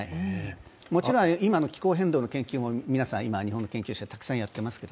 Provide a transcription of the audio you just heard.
もちろん今の気候変動の研究も今は日本の研究者もたくさんしています。